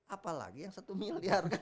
apalagi yang satu miliar